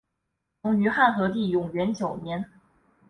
曾于汉和帝永元九年。